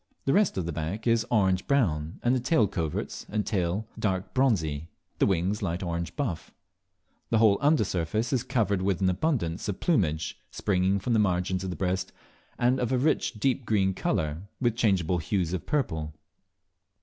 The rest of the bath is orange brown, the tail coverts and tail dark bronzy, the wings light orange buff: The whole under surface is covered with an abundance of plumage springing from the margins of the breast, and of a rich deep green colour, with changeable hues of purple.